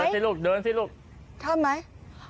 เห้ยมันแขวน